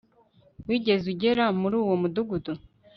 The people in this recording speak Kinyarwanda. Wigeze ugera muri uwo mudugudu